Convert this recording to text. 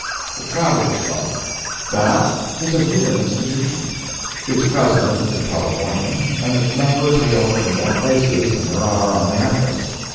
THE TRAVELLERS' CLUB That is a human institution. Its President is a Californian, and its members hail from more places than there are on the Atlas.